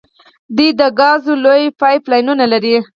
دوی د ګازو لویې پایپ لاینونه لري.